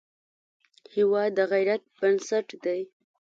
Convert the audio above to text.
هېواد د غیرت بنسټ دی.